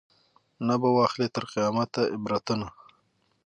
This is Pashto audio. نه به واخلي تر قیامته عبرتونه